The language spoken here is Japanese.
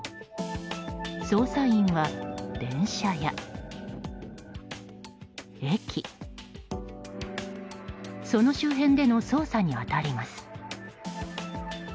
捜査員は電車や駅その周辺での捜査に当たります。